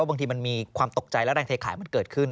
บางทีมันมีความตกใจและแรงเทขายมันเกิดขึ้น